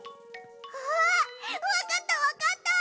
あっわかったわかった！